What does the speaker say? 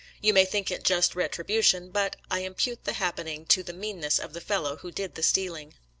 You may think it just retribu tion, but I impute the happening to the meanness of the fellow who did the stealing.